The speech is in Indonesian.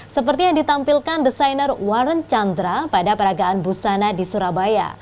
seperti yang ditampilkan desainer warren chandra pada peragaan busana di surabaya